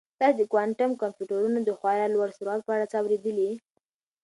آیا تاسو د کوانټم کمپیوټرونو د خورا لوړ سرعت په اړه څه اورېدلي؟